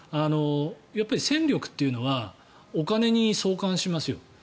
やっぱり戦力というのはお金に相関しますよ。